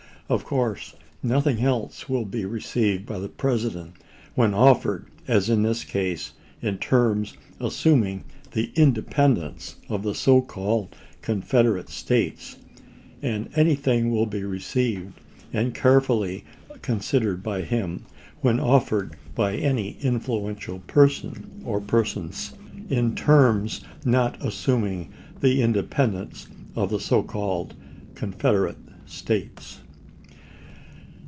Of course nothing else will be received by the President when offered, as in this case, in terms assuming the independence of the so called Confederate States, and anything will be received, and carefully con sidered by him, when offered by any influential person, Lincoln, or persons, in terms not assuming the independence of ms. the so called Confederate States.